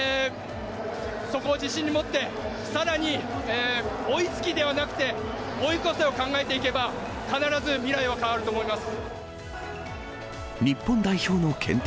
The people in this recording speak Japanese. そこを自信に持って、さらに、追いつきではなくて、追い越せを考えていけば、必ず未来は変わると思います。